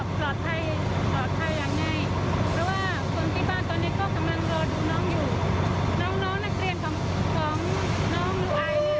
เพราะว่าคนที่บ้านตอนนี้ก็กำลังรอดูน้องอยู่น้องน้องนักเรียนของของน้องลูอายเนี่ย